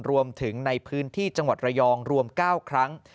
รวมถึงในพื้นที่จังหวัดระยองรวม๙ครั้ง